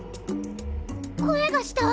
声がした！